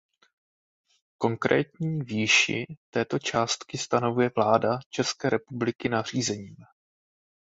Konkrétní výši této částky stanovuje vláda České republiky nařízením.